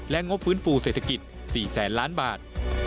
งบฟื้นฟูเศรษฐกิจ๔แสนล้านบาท